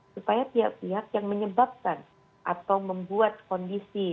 supaya pihak pihak yang menyebabkan atau membuat kondisi